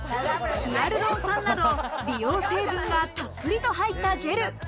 ヒアルロン酸など、美容成分がたっぷりと入ったジェル。